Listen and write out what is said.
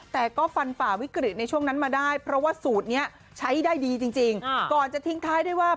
แต่ก็ฟันฝ่าวิกฤตในช่วงนั้นมาได้เพราะว่าสูตรนี้ใช้ได้ดีจริงก่อนจะทิ้งท้ายได้ว่า